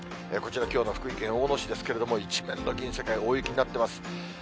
こちら、きょうの福井県大野市ですけれども、一面の銀世界、大雪になってます。